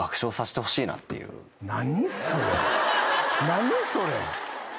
何それ！？